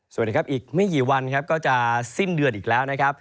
สวัสดีครับอีกไม่กี่วันครับก็จะสิ้นเดือนอีกแล้วนะครับ